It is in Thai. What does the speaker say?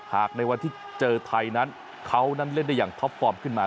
ในวันที่เจอไทยนั้นเขานั้นเล่นได้อย่างท็อปฟอร์มขึ้นมา